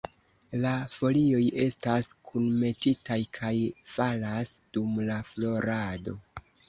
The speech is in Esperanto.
La folioj estas kunmetitaj kaj falas dum la florado.